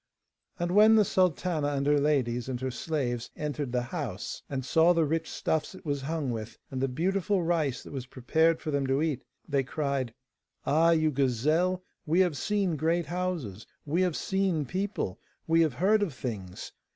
And when the sultana and her ladies and her slaves entered the house, and saw the rich stuffs it was hung with, and the beautiful rice that was prepared for them to eat, they cried: 'Ah, you gazelle, we have seen great houses, we have seen people, we have heard of things.